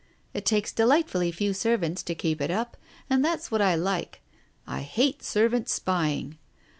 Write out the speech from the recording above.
It takes delightfully few servants to keep it up, and that's what I like. I hate servants spying.